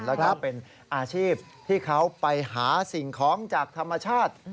แล้วก็เป็นอาชีพที่เขาไปหาสิ่งของจากธรรมชาติ